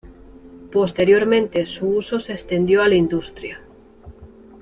Posteriormente su uso se extendió a la industria.